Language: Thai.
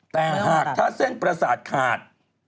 แต่หากถ้าเส้นปรศาสตร์ขาด